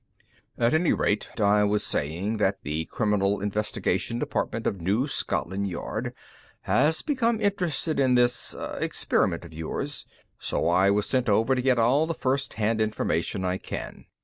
"At any rate, I was saying that the Criminal Investigation Department of New Scotland Yard has become interested in this experiment of yours, so I was sent over to get all the first hand information I can.